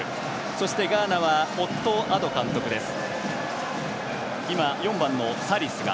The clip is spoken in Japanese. そして、ガーナはオットー・アド監督です。